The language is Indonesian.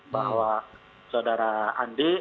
bahwa saudara andi